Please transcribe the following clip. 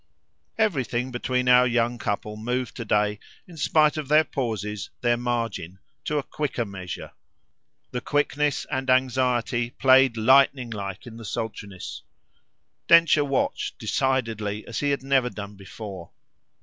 Everything between our young couple moved today, in spite of their pauses, their margin, to a quicker measure the quickness and anxiety playing lightning like in the sultriness. Densher watched, decidedly, as he had never done before.